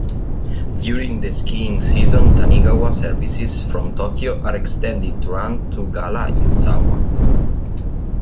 During the skiing season, "Tanigawa" services from Tokyo are extended to run to Gala-Yuzawa.